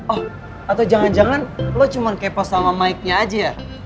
oh atau jangan jangan lo cuma kepo sama mike nya aja